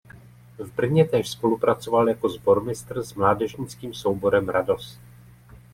V Brně též spolupracoval jako sbormistr s mládežnickým souborem Radost.